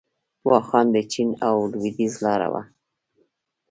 واخان د چین او لویدیځ لاره وه